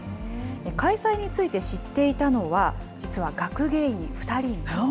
開催について知っていたのは、実は学芸員２人のみ。